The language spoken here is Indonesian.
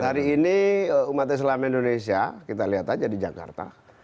hari ini umat islam indonesia kita lihat aja di jakarta